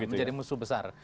menjadi musuh besar